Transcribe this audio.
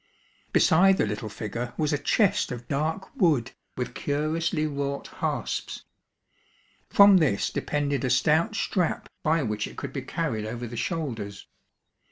Beside the little figure was a chest of dark wood, with curiously wrought hasps. From this depended a stout strap by which it could be carried over the shoulders.